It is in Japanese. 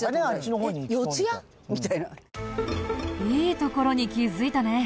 いいところに気づいたね。